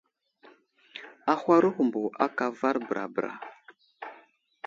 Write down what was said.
Ahwaro humbo aka avar bəra bəra.